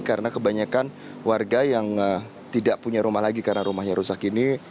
karena kebanyakan warga yang tidak punya rumah lagi karena rumahnya rusak ini